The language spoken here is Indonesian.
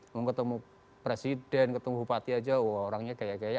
mau ketemu presiden ketemu bupati aja orangnya kayak kayak